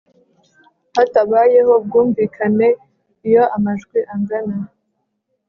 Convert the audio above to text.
hatabayeho ubwumvikane iyo amajwi angana